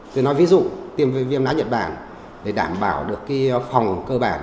tôi nói ví dụ tiêm viêm não nhật bản để đảm bảo được phòng cơ bản